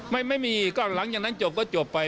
ไม่ไม่มีก็หลังที่นั้นจบก็จบไป